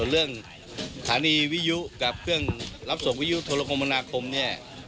ของเรื่องฐานีวิยุกับเพิ่มรับส่งวิยุทรคมนาคมนี่